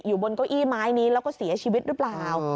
บนเก้าอี้ไม้นี้แล้วก็เสียชีวิตหรือเปล่า